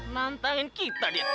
nantangin kita dia